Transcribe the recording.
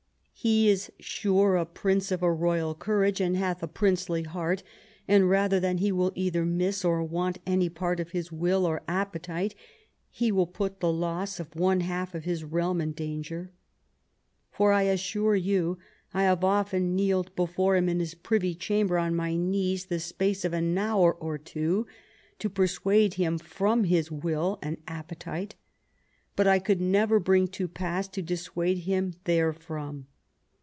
He is sure a prince of a royal courage, and hath a princely heart; and rather than he will either ipiiss or want any part of his will or appetite he will put the loss of one half of his realm in danger. For I assure you I have often kneeled before him in his privy chamber on my knees the space of an hour or two, to persuade him from his will and appetite ; but I could never bring to pass to dissuade him therefrom.